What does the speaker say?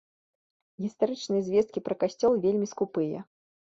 Гістарычныя звесткі пра касцёл вельмі скупыя.